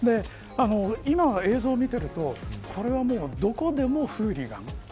今、映像を見ているとこれはどこでも、フーリガン。